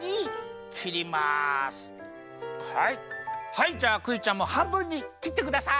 はいじゃあクイちゃんもはんぶんにきってください！